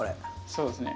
そうですね。